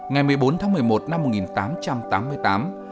ngày một mươi bốn tháng một mươi một năm một nghìn tám trăm tám mươi tám